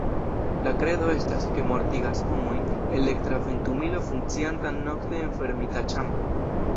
La kredo estas, ke mortigas homojn elektra ventumilo funkcianta nokte en fermita ĉambro.